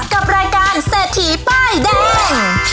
กับรายการเศรษฐีป้ายแดง